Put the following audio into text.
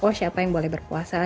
oh siapa yang boleh berpuasa